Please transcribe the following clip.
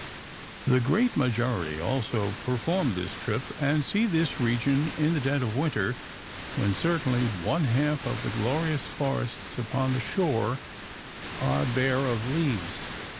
The great majority also perform this trip, and see this region, in the dead of winter, when certainly one half of the glorious forests upon the shore are bare of leaves.